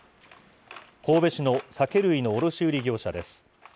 神戸市の酒類の卸売業者です。